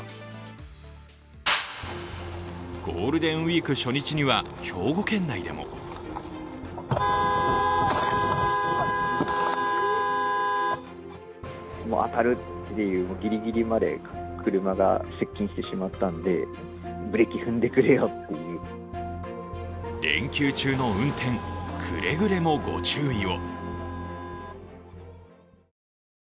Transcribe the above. ゴールデンウイーク初日には兵庫県内でも連休中の運転くれぐれもご注意を。